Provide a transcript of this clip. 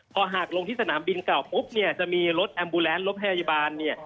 พอหากลงที่สนามบินเก่าปุ๊บเนี่ยจะมีรถแอมบูแลนด์รถพยาบาลเนี่ย